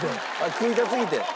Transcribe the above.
食いたすぎて？